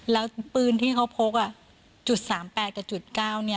แล้วปืนที่เขาพกอ่ะจุดสามแปดกับจุดเก้าเนี้ย